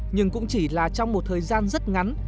nhưng cũng chỉ là trong một thời gian rất ngắn